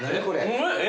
これ。